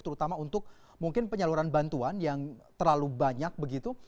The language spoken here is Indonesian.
terutama untuk mungkin penyaluran bantuan yang terlalu banyak begitu